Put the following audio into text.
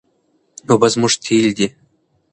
اوبه زموږ تېل دي.